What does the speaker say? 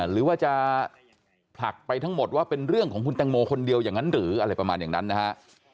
หรือว่าจะผลักไปทั้งหมดว่าเป็นเรื่องของคุณแตงโมคนเดียวอย่างนั้นหรืออะไรประมาณอย่างนั้นนะฮะ